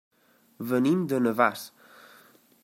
Venim de Navàs.